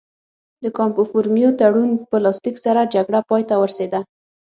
د کامپو فورمیو تړون په لاسلیک سره جګړه پای ته ورسېده.